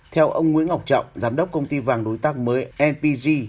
theo ông nguyễn ngọc trọng giám đốc công ty vàng đối tác mới npg